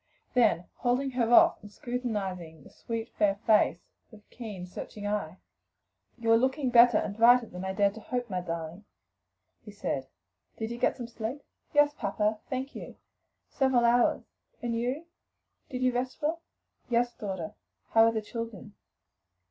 Then holding her off and scrutinizing the sweet, fair face with keen, searching eye, "You are looking better and brighter than I dared to hope, my darling," he said. "Did you get some sleep?" "Yes, papa, thank you, several hours. And you? did you rest well?" "Yes, daughter. How are the children?"